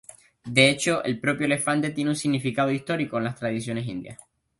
De hecho, el propio elefante tiene un significado histórico en las tradiciones indias.